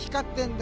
だ